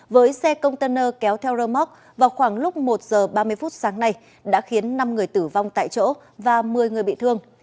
với xe container kéo theo rơ móc vào khoảng lúc một giờ ba mươi phút sáng nay đã khiến năm người tử vong tại chỗ và một mươi người bị thương